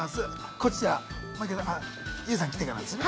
こちらあＹＯＵさん来てからですね。